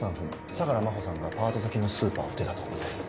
相良真帆さんがパート先のスーパーを出たところです。